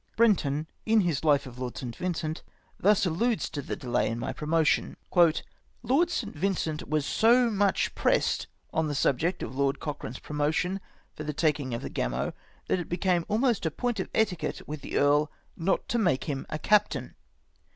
Brenton, in his Life of Lord St. Vincent, thus alludes to the delay in my promotion :" Lord St. Vincent ivas so much pressed on the subject of Lord Cochrane's pro motion for takinsf the Gaino. that it became almost a point of etiquette with the earl not to make him a captain